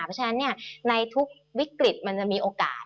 เพราะฉะนั้นในทุกวิกฤตมันจะมีโอกาส